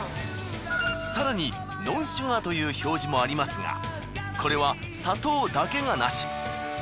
更にノンシュガーという表示もありますがこれは砂糖だけがなし。